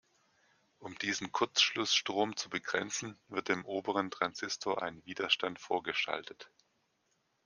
Um diesen Kurzschlussstrom zu begrenzen, wird dem oberen Transistor ein Widerstand vorgeschaltet.